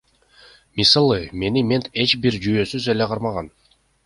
Мисалы, мени мент эч бир жүйөөсүз эле кармаган.